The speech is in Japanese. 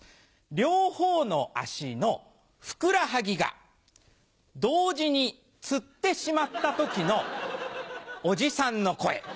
両方の脚のふくらはぎが同時につってしまった時のおじさんの声。